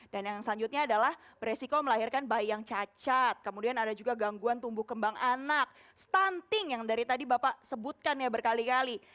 dan yang selanjutnya adalah beresiko melahirkan bayi yang cacat kemudian ada juga gangguan tumbuh kembang anak stunting yang dari tadi bapak sebutkan ya berkali kali